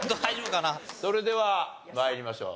それでは参りましょう。